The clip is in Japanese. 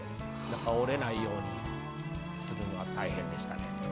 だから折れないようにするのは大変でしたね。